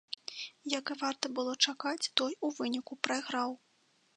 Як і варта было чакаць, той у выніку прайграў.